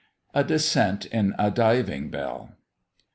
A DESCENT IN A DIVING BELL.